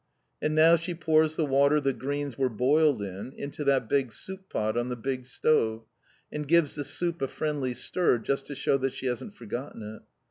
And now she pours the water the greens were boiled in, into that big soup pot on the big stove, and gives the soup a friendly stir just to shew that she hasn't forgotten it.